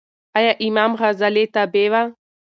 ایا امام غزالې تابعې وه؟